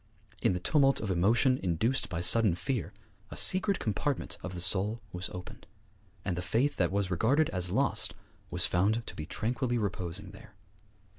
In the tumult of emotion induced by sudden fear, a secret compartment of the soul was opened, and the faith that was regarded as lost was found to be tranquilly reposing there.